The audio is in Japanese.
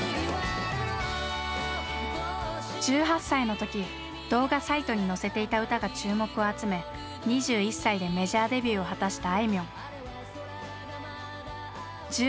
１８歳の時動画サイトに乗せていた歌が注目を集め２１歳でメジャーデビューを果たしたあいみょん。